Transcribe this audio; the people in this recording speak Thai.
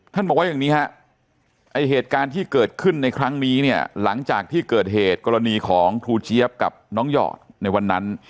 บอกว่าอย่างนี้ฮะไอ้เหตุการณ์ที่เกิดขึ้นในครั้งนี้เนี่ยหลังจากที่เกิดเหตุกรณีของครูเจี๊ยบกับน้องหยอดในวันนั้น